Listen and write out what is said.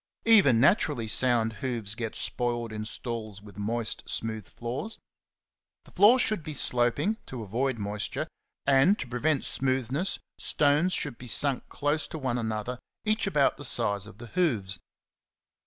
Even naturally sound hoofs get spoiled in stalls with moist, smooth floors. The floors should be slop ing, to avoid moisture, and, to prevent smoothness, stones ^^ should be sunk close to one another, each about the size of the hoofs.